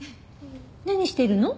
何してるの？